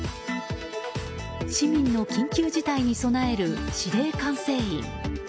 市民の緊急事態に備える指令管制員。